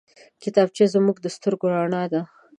کتابچه زموږ د سترګو رڼا ده